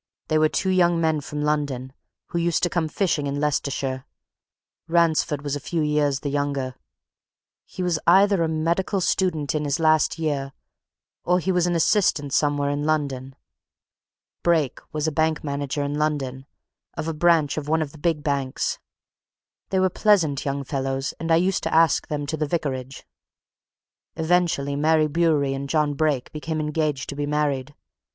They were two young men from London, who used to come fishing in Leicestershire. Ransford was a few years the younger he was either a medical student in his last year, or he was an assistant somewhere in London. Brake was a bank manager in London of a branch of one of the big banks. They were pleasant young fellows, and I used to ask them to the vicarage. Eventually, Mary Bewery and John Brake became engaged to be married.